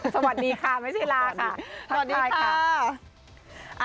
สวัสดีค่ะไม่ใช่ลาค่ะ